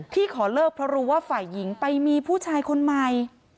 ขอเลิกเพราะรู้ว่าฝ่ายหญิงไปมีผู้ชายคนใหม่